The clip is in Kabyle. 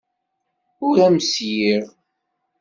Ur am-sliɣ.